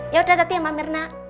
ya udah tadi ya mbak mirna